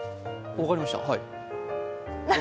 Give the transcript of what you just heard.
分かりました、はい。